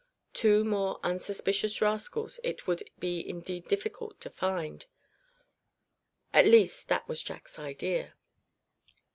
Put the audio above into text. Two more unsuspicious rascals it would be indeed difficult to find; at least that was Jack's idea.